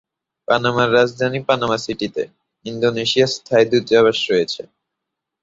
পানামার রাজধানী পানামা সিটিতে, ইন্দোনেশিয়ার স্থায়ী দূতাবাস রয়েছে।